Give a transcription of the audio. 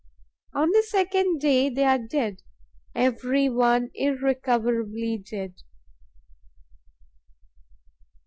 On the second day, they are dead, every one irrecoverably dead.